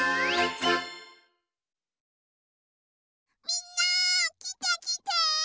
みんなきてきて！